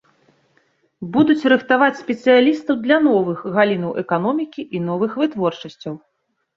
Будуць рыхтаваць спецыялістаў для новых галінаў эканомікі і новых вытворчасцяў.